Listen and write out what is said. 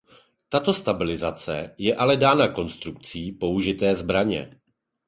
Tato stabilizace je ale dána konstrukcí použité zbraně.